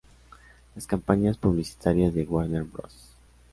Las campañas publicitarias de Warner Bros.